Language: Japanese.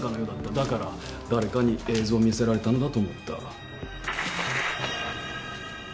だから誰かに映像を見せられたのだと思った。